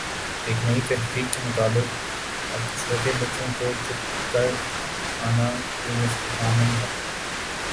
ایک نئی تحقیق کے مطابق اب چھوٹے بچوں کو چپ کر آنا کوئی مشکل کام نہیں ہے